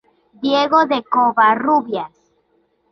Diego de Covarrubias.